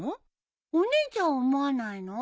お姉ちゃんは思わないの？